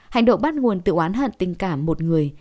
hành động bắt nguồn tự oán hận tình cảm một người